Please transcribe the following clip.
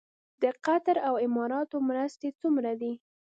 د قطر او اماراتو مرستې څومره دي؟